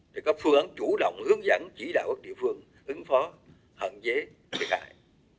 để có phương án chủ động hướng dẫn chỉ đạo các địa phương ứng phó hận dế thiệt hại